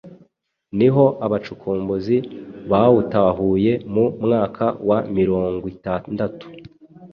niho abacukumbuzi bawutahuye mu mwaka wa mirongwitandatu